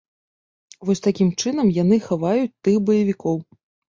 Вось такім чынам яны хаваюць тых баевікоў.